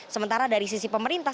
sementara dari sisi pemerintah